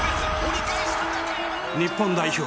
日本代表